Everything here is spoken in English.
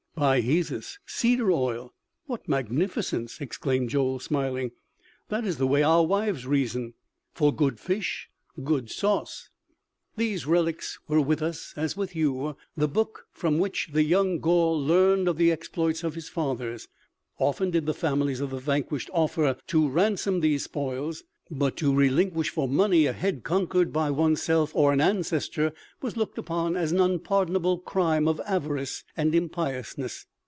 "By Hesus! Cedar oil!... What magnificence!" exclaimed Joel smiling. "That is the way our wives reason: 'for good fish, good sauce.'" "These relics were with us, as with you, the book from which the young Gaul learned of the exploits of his fathers. Often did the families of the vanquished offer to ransom these spoils; but to relinquish for money a head conquered by oneself or an ancestor was looked upon as an unpardonable crime of avarice and impiousness.